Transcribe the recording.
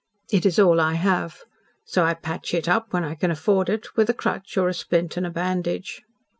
It is all I have. So I patch it up when I can afford it, with a crutch or a splint and a bandage."